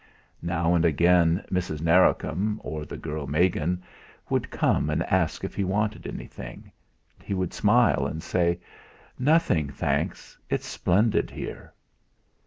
Now and again Mrs. Narracombe or the girl Megan would come and ask if he wanted anything, and he would smile and say: "Nothing, thanks. It's splendid here."